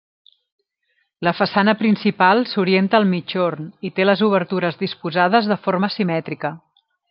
La façana principal s'orienta al migjorn, i té les obertures disposades de forma simètrica.